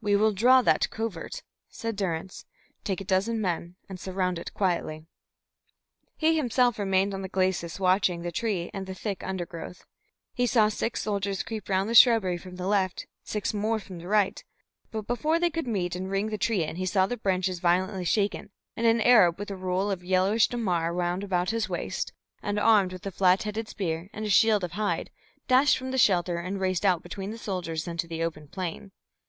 "We will draw that covert," said Durrance. "Take a dozen men and surround it quietly." He himself remained on the glacis watching the tree and the thick undergrowth. He saw six soldiers creep round the shrubbery from the left, six more from the right. But before they could meet and ring the tree in, he saw the branches violently shaken, and an Arab with a roll of yellowish dammar wound about his waist, and armed with a flat headed spear and a shield of hide, dashed from the shelter and raced out between the soldiers into the open plain.